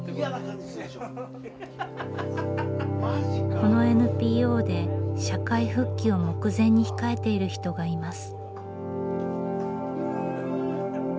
このＮＰＯで社会復帰を目前に控えている人がいます。